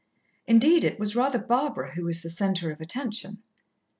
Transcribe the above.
Indeed it was rather Barbara who was the centre of attention.